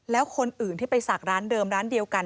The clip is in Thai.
แล้วคนอื่นที่ไปศักดิ์ร้านเดิมร้านเดียวกัน